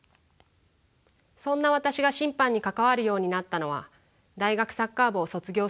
そんな私が審判に関わるようになったのは大学サッカー部を卒業する時。